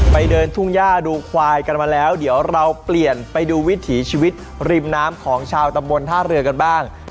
เดินทุ่งย่าดูควายกันมาแล้วเดี๋ยวเราเปลี่ยนไปดูวิถีชีวิตริมน้ำของชาวตำบลท่าเรือกันบ้าง